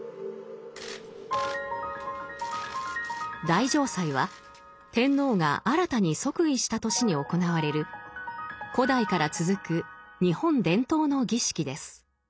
大嘗祭は天皇が新たに即位した年に行われる古代から続く日本伝統の儀式です。